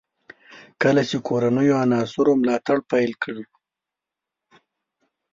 کله چې کورنیو عناصرو ملاتړ پیل کړ.